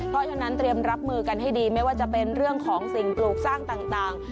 เพราะฉะนั้นเตรียมรับมือกันให้ดีไม่ว่าจะเป็นเรื่องของสิ่งปลูกสร้างต่าง